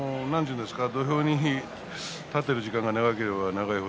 土俵に立っている時間が長ければ長い程